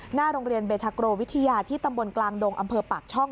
หน้าโรงเรียนเบทาโกวิทยาที่ตำบลกลางดงอำเภอปากช่อง